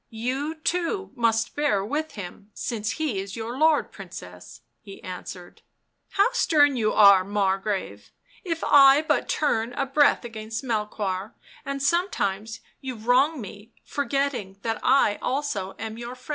" You, too, must bear with him, since he is your lord, Princess," he answered. "How stern you are, Margrave; if I but turn a breath against Melchoir — and, sometimes, you wrong me, forgetting that I also am your friend."